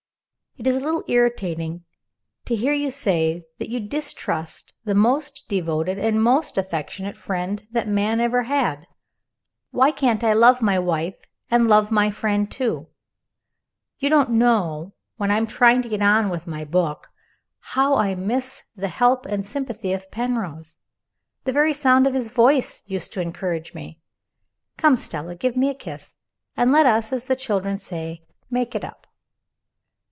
"It is a little irritating to hear you say that you distrust the most devoted and most affectionate friend that man ever had. Why can't I love my wife, and love my friend, too? You don't know, when I am trying to get on with my book, how I miss the help and sympathy of Penrose. The very sound of his voice used to encourage me. Come, Stella, give me a kiss and let us, as the children say, make it up!"